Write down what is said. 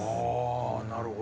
ああなるほど。